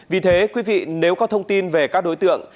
vì thế quý vị nếu có thông tin về các đối tượng